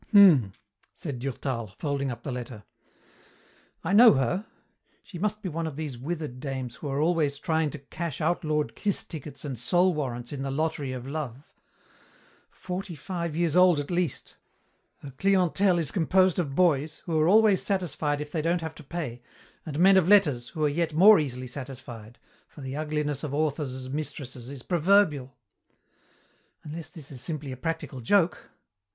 "Hmm!" said Durtal, folding up the letter. "I know her. She must be one of these withered dames who are always trying to cash outlawed kiss tickets and soul warrants in the lottery of love. Forty five years old at least. Her clientele is composed of boys, who are always satisfied if they don't have to pay, and men of letters, who are yet more easily satisfied for the ugliness of authors' mistresses is proverbial. Unless this is simply a practical joke.